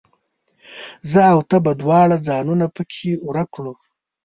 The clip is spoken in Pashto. زه او ته به دواړه ځانونه پکښې ورک کړو